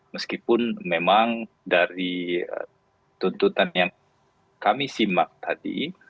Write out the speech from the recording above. meskipun memang dari tuntutan yang kami simak tadi